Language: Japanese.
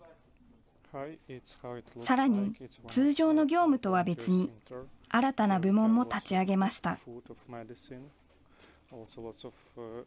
さらに、通常の業務とは別に新たな部門も立ち上げました。